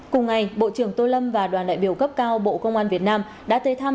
cùng ngày bộ trưởng tô lâm và đoàn đại biểu cấp cao bộ công an việt nam đã tới thăm